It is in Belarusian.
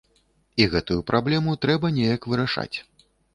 І гэтую праблему трэба неяк вырашаць.